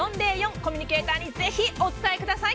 コミュニケーターにぜひお伝えください。